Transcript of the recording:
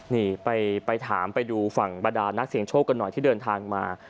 นี่ไปถามไปดูฝั่งบรรดานักเสียงโชคกันหน่อยที่เดินทางมา